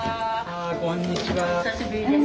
お久しぶりです。